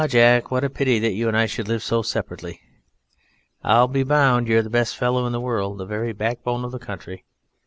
Jack, what a pity you and I should live so separate! I'll be bound you're the best fellow in the world, the very backbone of the country.